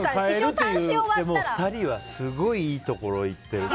２人はすごい、いいところに行ってる。